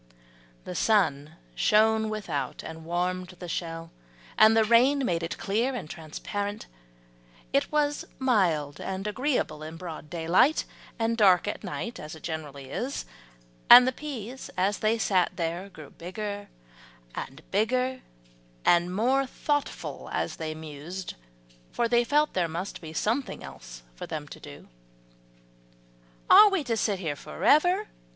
The sun shone without and warmed the shell, and the rain made it clear and transparent; it was mild and agreeable in broad daylight, and dark at night, as it generally is; and the peas as they sat there grew bigger and bigger, and more thoughtful as they mused, for they felt there must be something else for them to do. "Are we to sit here forever?"